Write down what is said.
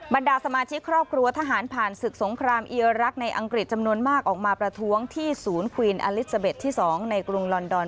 บรรดาสมาชิกครอบครัวทหารผ่านศึกสงครามอีรักษ์ในอังกฤษจำนวนมากออกมาประท้วงที่ศูนย์ควีนอลิซาเบ็ดที่๒ในกรุงลอนดอน